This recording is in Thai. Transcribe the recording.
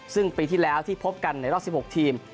ซึ่งปีที่แล้วที่พบกันในรอบ๑๖ทีม